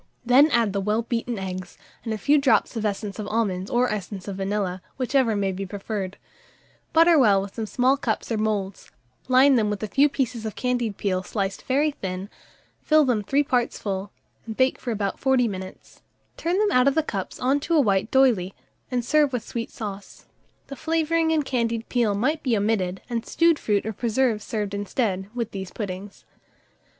Then add the well beaten eggs, and a few drops of essence of almonds or essence of vanilla, whichever may be preferred; butter well some small cups or moulds, line them with a few pieces of candied peel sliced very thin, fill them three parts full, and bake for about 40 minutes; turn them out of the cups on to a white d'oyley, and serve with sweet sauce. The flavouring and candied peel might be omitted, and stewed fruit or preserve served instead, with these puddings.